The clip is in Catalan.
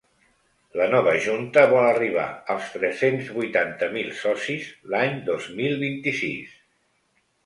La nova junta vol arribar als tres-cents vuitanta mil socis l’any dos mil vint-i-sis.